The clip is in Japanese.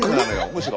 むしろ。